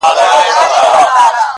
زلمي بېریږي له محتسبه -